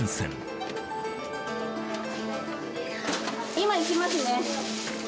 今、行きますね。